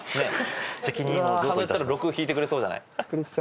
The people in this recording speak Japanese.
加納だったら６ひいてくれそうじゃない？